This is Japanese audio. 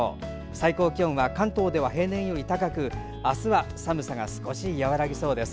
最高気温は関東では平年より高く明日は寒さが少し和らぎそうです。